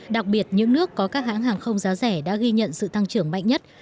đặc biệt những nước có các hãng hàng không giá rẻ đã ghi nhận sự tăng trưởng mạnh nhất